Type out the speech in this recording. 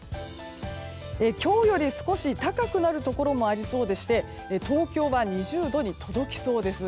今日より少し高くなるところもありそうでして東京は２０度に届きそうです。